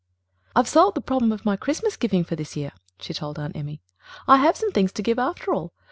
"I've solved the problem of my Christmas giving for this year," she told Aunt Emmy. "I have some things to give after all.